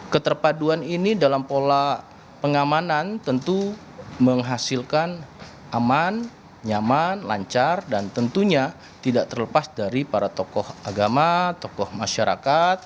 keterpaduan ini dalam pola pengamanan tentu menghasilkan aman nyaman lancar dan tentunya tidak terlepas dari para tokoh agama tokoh masyarakat